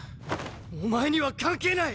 お前には関係ない！